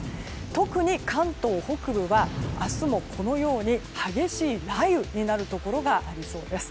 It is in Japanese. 特に、関東北部は明日もこのように激しい雷雨になるところがありそうです。